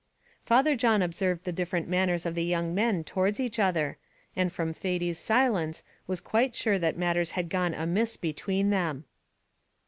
Father John observed the different manners of the young men towards each other, and from Thady's silence, was quite sure that matters had gone amiss between them.